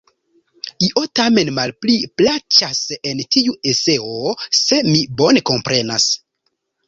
Io tamen malpli plaĉas en tiu eseo, se mi bone komprenas.